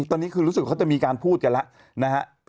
ตอนนี้คือรู้สึกเขาจะมีการพูดกันแล้วนะฮะ